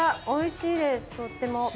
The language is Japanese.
おいしいですとっても。